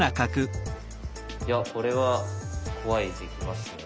いやこれは怖い手きましたよ。